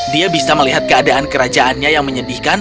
dia bisa melihat keadaan kerajaannya yang menyedihkan